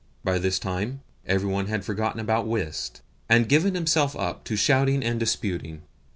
By this time every one had forgotten about whist, and given himself up to shouting and disputing.